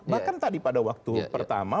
bahkan tadi pada waktu pertama